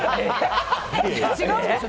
違うでしょ。